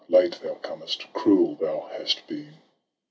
Late thou comest, cruel thou hast been.